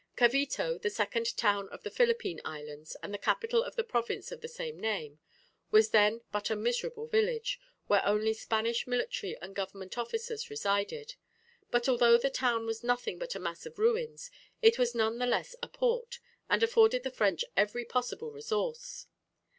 Cavito, the second town of the Philippine islands, and the capital of the province of the same name, was then but a miserable village, where only Spanish military and government officers resided; but although the town was nothing but a mass of ruins, it was none the less a port, and afforded the French every possible resource.